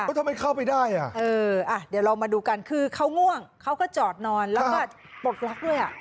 ทำไมเข้าไปได้อ่ะเอออ่ะเดี๋ยวเรามาดูกันคือเขาง่วงเขาก็จอดนอนแล้วก็ปลดล็อกด้วยอ่ะ